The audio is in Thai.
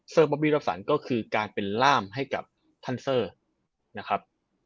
บอบบี้รับสันก็คือการเป็นล่ามให้กับท่านเซอร์นะครับ